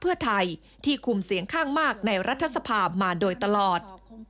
เพื่อไทยที่คุมเสียงข้างมากในรัฐสภามาโดยตลอด